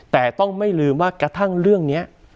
แต่ต้องไม่ลืมว่ากระทั่งเรื่องนี้